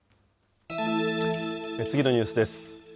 次のニュースです。